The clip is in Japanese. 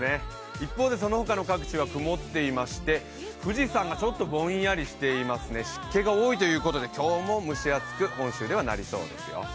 一方でその他の各地は曇っていまして富士山がぼんやりしていますね、湿気が多いということで、今日も蒸し暑く本州ではなりそうですよ。